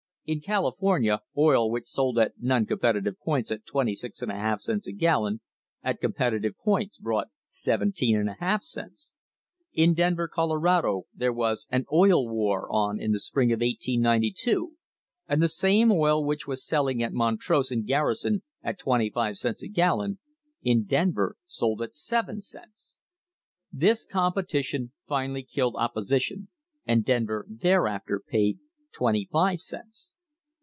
In California, oil which sold at non competitive points at 26^2 cents a gallon, at competitive points brought iJ l /2 cents. In Denver, Colo rado, there was an "Oil War" on in the spring of 1892, and the same oil which was selling at Montrose and Garrison at twenty five cents a gallon, in Denver sold at seven cents. This competition finally killed opposition and Denver thereafter paid twenty five cents.